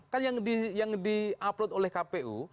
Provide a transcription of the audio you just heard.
kan yang di upload oleh kpu